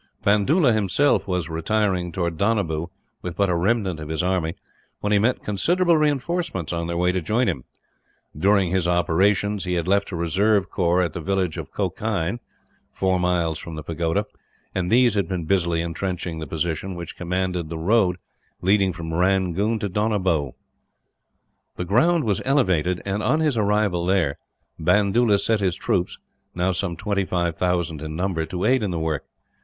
Bandoola himself was retiring towards Donabew, with but a remnant of his army, when he met considerable reinforcements on their way to join him. During his operations he had left a reserve corps at the village of Kokein, four miles from the pagoda; and these had been busily entrenching the position, which commanded the road leading from Rangoon to Donabew. The ground was elevated and, on his arrival there, Bandoola set his troops now some 25,000 in number to aid in the work.